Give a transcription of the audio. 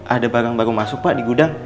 ada barang baru masuk pak di gudang